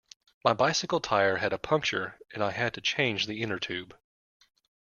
My bicycle tyre had a puncture, and I had to change the inner tube